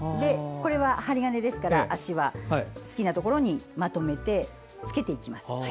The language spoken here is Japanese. これは針金ですから足は好きなところにまとめてつけていきます。